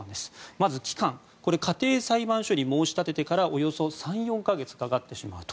まず期間家庭裁判所に申し立ててからおよそ３か月かかってしまうと。